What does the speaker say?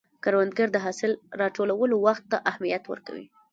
کروندګر د حاصل راټولولو وخت ته اهمیت ورکوي